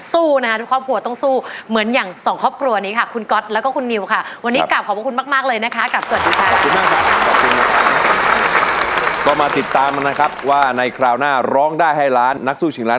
สู้นะคะทุกครอบครัวต้องสู้เหมือนอย่างสองครอบครัวนี้ค่ะ